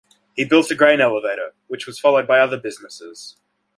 He built a grain elevator, which was followed by other businesses.